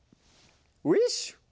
ウィッシュ。